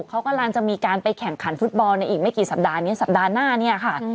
เขากำลังจะมีการไปแข่งขันฟุตบอลในอีกไม่กี่สัปดาห์นี้สัปดาห์หน้าเนี่ยค่ะ